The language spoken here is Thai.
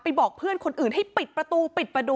ไปบอกเพื่อนคนอื่นให้ปิดประตูอ่ะ